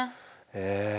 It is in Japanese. へえ。